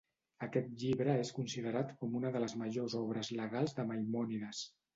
Aquest llibre és considerat com una de les majors obres legals de Maimònides.